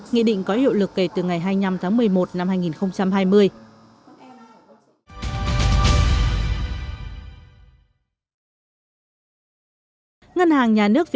nghị định có hiệu lực kể từ ngày hai mươi năm tháng một mươi một năm hai nghìn hai mươi